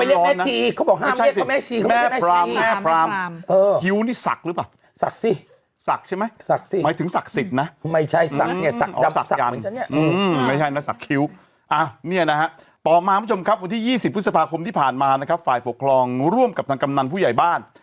วันคราศอาวเตียนวันอายุทั่วคราศแม่ชื่อแม่ทรามคิวนี่สักหรือเปล่าเอี๊บบอดต่อมาวันที่๒๐พฤศคมที่ผ่านมานะครับฝ่ายผกครองร่วมกับทางกำมันผู้ใหญ่บ้าน